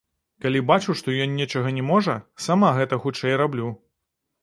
Калі бачу, што ён нечага не можа, сама гэта хутчэй раблю.